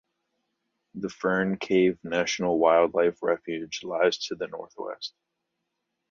The Fern Cave National Wildlife Refuge lies to the northwest.